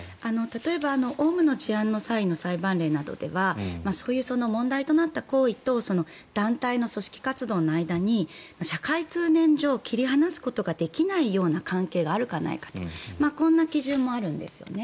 例えばオウムの裁判の事例などではそういう問題となった行為と団体の組織活動の間に社会通念上、切り離すことができないような関係があるかないかこんな基準もあるんですよね。